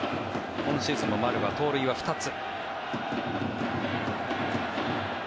今シーズンの丸は盗塁は２つ。